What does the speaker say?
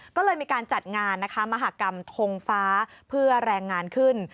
ก็เลยมีการจัดงานนะคะมหากรรมทงฟ้าเพื่อแรงงานขึ้น